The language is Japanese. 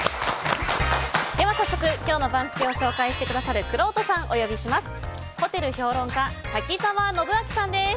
早速今日の番付を紹介してくださるくろうとさん、お呼びします。